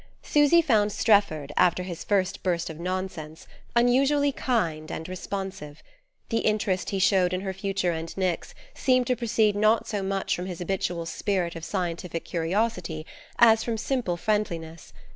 SUSY found Strefford, after his first burst of nonsense, unusually kind and responsive. The interest he showed in her future and Nick's seemed to proceed not so much from his habitual spirit of scientific curiosity as from simple friendliness.